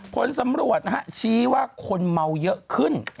ผลสำรวจนะฮะชี้ว่าคนเมาเยอะขึ้น